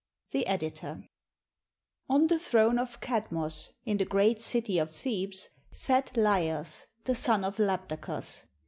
The Editor] On the throne of Kadmos, in the great city of Thebes, sat Laios, the son of Labdakos.